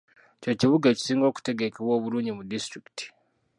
Ky'ekibuga ekisinga okutegekebwa obulungi mu disitulikiti